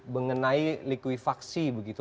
mengenai likuifaksi begitu